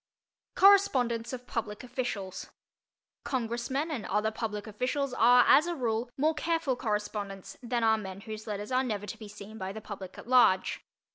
CORRESPONDENCE OF PUBLIC OFFICIALS Congressmen and other public officials are as a rule more careful correspondents than are men whose letters are never to be seen by the public at large.